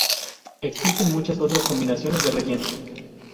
Existen muchas otras combinaciones de rellenos.